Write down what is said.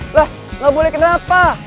lah gak boleh kenapa